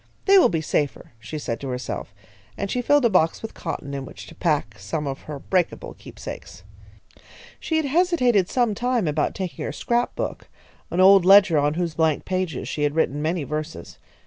"They will be safer," she said to herself, and she filled a box with cotton in which to pack some of her breakable keepsakes. She had hesitated some time about taking her scrap book, an old ledger on whose blank pages she had written many verses.